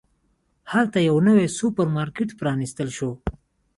هلته یو نوی سوپرمارکېټ پرانستل شو.